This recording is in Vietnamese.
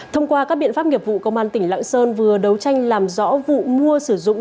thông qua các biện pháp nghiệp vụ công an tỉnh lạng sơn vừa đấu tranh làm rõ vụ mua sử dụng